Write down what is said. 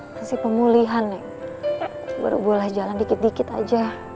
masih pemulihan nih baru boleh jalan dikit dikit aja